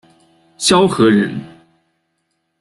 萧何人。